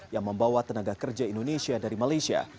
yang membawa tenaga kerja indonesia dari malaysia